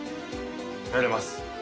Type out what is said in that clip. やれます。